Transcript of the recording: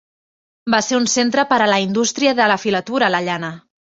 Va ser un centre per a la indústria de la filatura la llana.